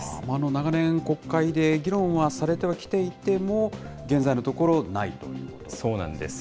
長年、国会で議論はされてはきていても、現在のところ、ないそうなんです。